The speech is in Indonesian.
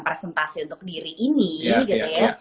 presentasi untuk diri ini gitu ya